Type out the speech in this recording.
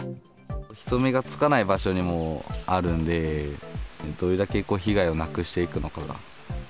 人目がつかない場所にもあるんで、どれだけ被害をなくしていくのかが。